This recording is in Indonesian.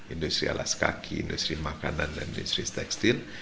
industri alas kaki industri makanan dan industri tekstil